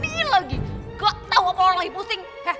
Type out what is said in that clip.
nih lagi gak tau kok orang lagi pusing